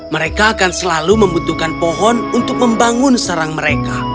mereka akan selalu membutuhkan pohon untuk membangun sarang mereka